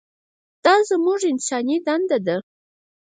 دا زموږ انساني دنده ده.